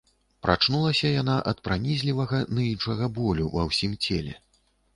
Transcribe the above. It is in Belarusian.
Прачнулася яна ад пранізлівага ныючага болю ва ўсім целе.